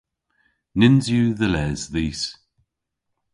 Nyns yw dhe les dhis.